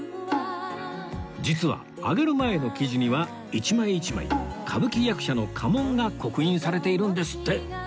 実は揚げる前の生地には一枚一枚歌舞伎役者の家紋が刻印されているんですって